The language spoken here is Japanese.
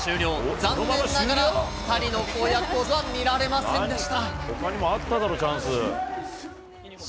残念ながら２人の公約ポーズは見られませんでした。